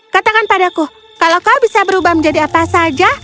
katakan padaku kalau kau bisa berubah menjadi apa saja